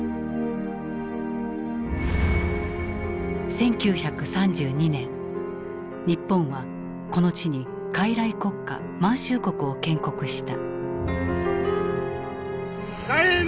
１９３２年日本はこの地に傀儡国家満州国を建国した。